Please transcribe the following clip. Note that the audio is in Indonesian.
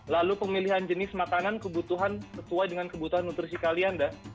lalu pemilihan jenis makanan kebutuhan sesuai dengan kebutuhan nutrisi kalian